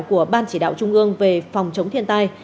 của ban chỉ đạo trung ương về phòng chống thiên tai